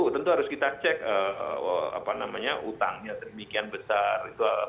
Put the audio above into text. tentu harus kita cek utangnya sedemikian besar